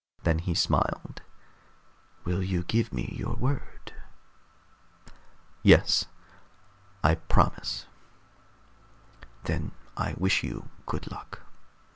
Then he smiled. "Will you give me your word? "Yes, I promise." "Then I wish you good luck.